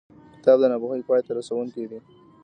کتاب د ناپوهۍ پای ته رسوونکی دی.